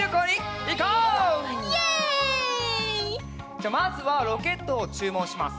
じゃあまずはロケットをちゅうもんします。